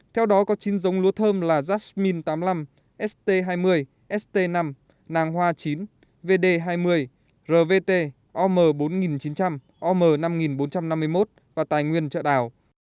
theo đó có chín giống lúa thơm là jasmine tám mươi năm st hai mươi st năm nàng hoa chín vd hai mươi rvt om bốn nghìn chín trăm linh om năm nghìn bốn trăm năm mươi một và tài nguyên trợ đào